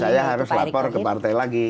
saya harus lapor ke partai lagi